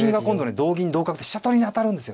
同銀同角で飛車取りに当たるんですね。